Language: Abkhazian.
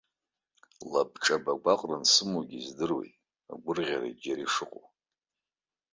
Лабҿаба агәаҟра ансымоугьы, издыруеит, агәырӷьарагь џьара ишыҟоу.